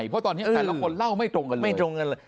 เพราะตอนนี้แต่ละคนเล่าไม่ตรงกันเลย